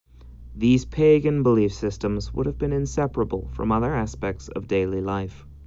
These pagan belief systems would have been inseparable from other aspects of daily life.